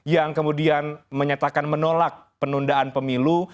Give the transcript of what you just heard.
yang kemudian menyatakan menolak penundaan pemilu